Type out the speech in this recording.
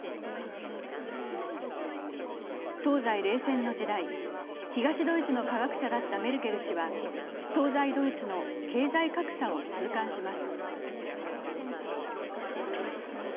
東西冷戦の時代、東ドイツの科学者だったメルケル氏は東西ドイツの経済格差を痛感します。